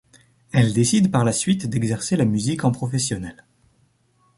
Elle décide par la suite d'exercer la musique en professionnelle.